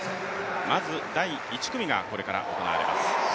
まず第１組がこれから行われます。